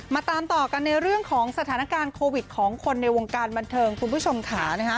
ตามต่อกันในเรื่องของสถานการณ์โควิดของคนในวงการบันเทิงคุณผู้ชมค่ะ